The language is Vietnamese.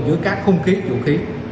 dưới các khung khí vũ khí